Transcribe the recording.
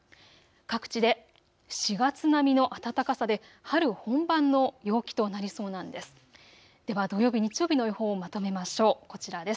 各地で４月並みの暖かさで春本番の陽気となりそうなんです。